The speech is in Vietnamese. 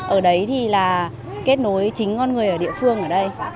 ở đấy thì là kết nối chính con người ở địa phương ở đây